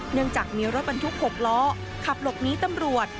เนื่องจากมีรถบรรทุก๖ล้อขับหลบหนีตำรวจ